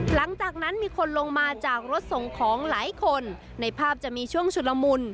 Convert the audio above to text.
หลังจากนั้นมีคนลงมาจากรถส่งของหลายคนในภาพจะมีช่วงชุดละมุน